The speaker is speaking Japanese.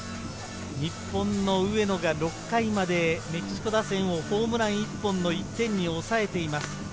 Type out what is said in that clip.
日本の上野が６回までメキシコ打線をホームラン１本の１点に抑えています。